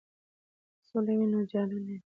که سوله وي نو جاله نه وي.